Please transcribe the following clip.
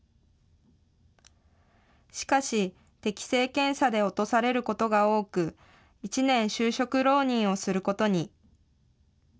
しかし、適性検査で落とされることが多く、１年就職浪人をすることに。